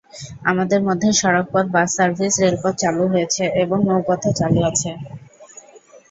আমাদের মধ্যে সড়কপথ, বাস সার্ভিস, রেলপথ চালু হয়েছে এবং নৌপথও চালু আছে।